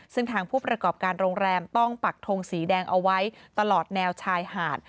ซึ่งทางผู้ประกอบการโรงแรมต้องปักทงสีแดงเอาไว้ตลอดแนวชายหาด